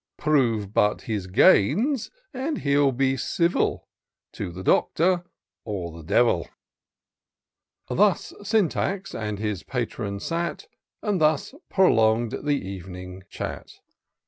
Prove but his gains — and he'd be civil, Or to the Doctor or the Devil." Thus Syntax and his patron sat, And thus prolong'd the ev'ning chat.